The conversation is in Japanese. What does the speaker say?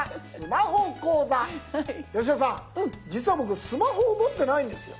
八代さん実は僕スマホを持ってないんですよ。